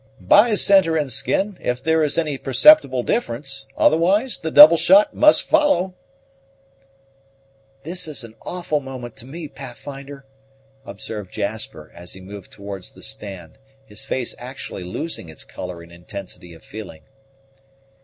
"By centre and skin, if there is any perceptible difference; otherwise the double shot must follow." "This is an awful moment to me, Pathfinder," observed Jasper, as he moved towards the stand, his face actually losing its color in intensity of feeling.